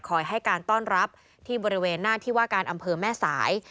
ให้การต้อนรับที่บริเวณหน้าที่ว่าการอำเภอแม่สาย